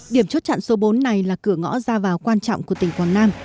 điểm chốt chặn số bốn này là cửa ngõ ra vào quan trọng của tỉnh quảng nam